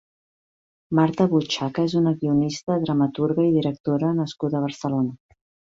Marta Buchaca és una guionista, dramaturga i directora nascuda a Barcelona.